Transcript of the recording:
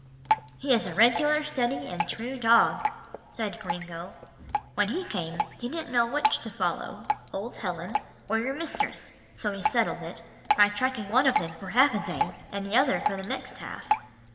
"He is a regular steady and true dog," said Gringo. "When he came, he didn't know which to follow, old Ellen, or your mistress, so he settled it, by tracking one of them for half a day, and the other for the next half."